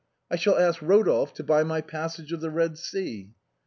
I shall ask Eodolphe to buy my ' Passage of the Eed Sea.'